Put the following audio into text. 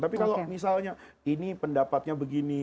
tapi kalau misalnya ini pendapatnya begini